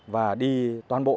và đi toàn bộ